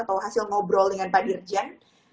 atau hasil ngobrol dengan pak dirjen